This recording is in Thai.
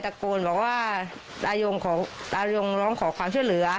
แต่มีเด็กไปตะโกนบอกว่าอายุงร้องขอความช่วยเหลือ